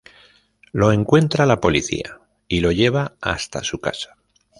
Lo encuentra la policía y lo lleva hasta su casa.